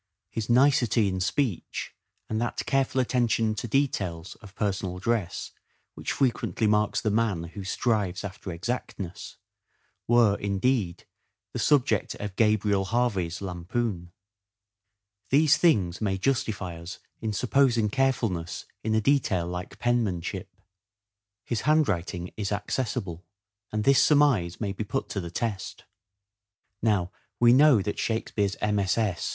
His nicety in speech and that careful attention to details of personal dress which frequently marks the man who strives after exactness, were, indeed, the subject of Gabriel Harvey's lampoon. These things may justify us in supposing carefulness in a detail like penmanship. 382 "SHAKESPEARE" IDENTIFIED Penmanship. His handwriting is accessible and this surmise may be put to the test. Now we know that Shakespeare's MSS.